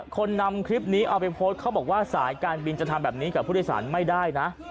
คนนำคลิปนี้เอาไปโพสต์เขาบอกว่าสายการบินจะทำแบบนี้กับผู้โดยสารไม่ได้นะ